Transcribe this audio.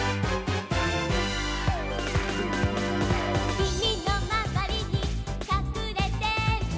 「君のまわりにかくれてる」